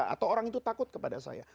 atau orang itu takut kepada saya